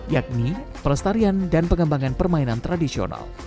yakni pelestarian dan pengembangan permainan tradisional